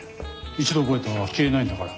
一度覚えたら消えないんだから。